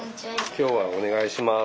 今日はお願いします。